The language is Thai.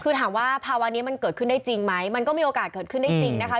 คือถามว่าภาวะนี้มันเกิดขึ้นได้จริงไหมมันก็มีโอกาสเกิดขึ้นได้จริงนะคะ